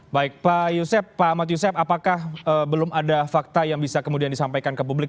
baik pak yusef pak ahmad yusef apakah belum ada fakta yang bisa kemudian disampaikan ke publik